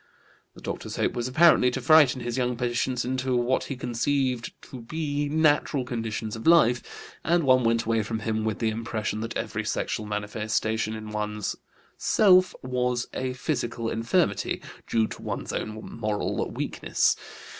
The doctor's hope was apparently to frighten his young patients into what he conceived to be natural conditions of life, and one went away from him with the impression that every sexual manifestation in one's self was a physical infirmity, due to one's own moral weakness.